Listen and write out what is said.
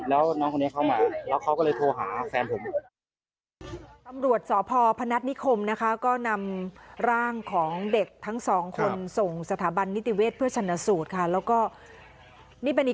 แล้วน้องคนนี้เข้ามาแล้วเขาก็เลยโทรหาแฟนผม